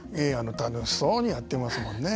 楽しそうにやってますもんね。